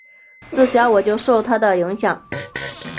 自小我就受他的影响